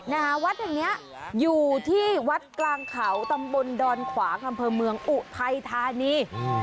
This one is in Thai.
นาวัดอย่างเนี้ยอยู่ที่วัดกลางเขาตำบลดอนขวาคำเพิงเมืองอุไททานี